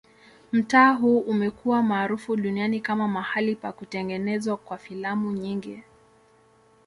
Mtaa huu umekuwa maarufu duniani kama mahali pa kutengenezwa kwa filamu nyingi.